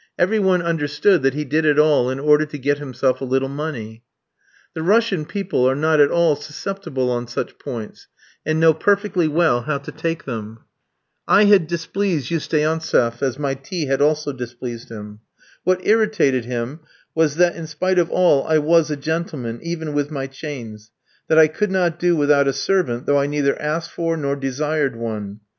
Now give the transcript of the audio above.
Every one understood that he did it all in order to get himself a little money. The Russian people are not at all susceptible on such points, and know perfectly well how to take them. I had displeased Usteantseff, as my tea had also displeased him. What irritated him was that, in spite of all, I was a gentleman, even with my chains; that I could not do without a servant, though I neither asked for nor desired one.